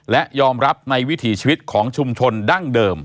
และยอมรับในวิถีชีวิตของชุมชนดั้งเดิม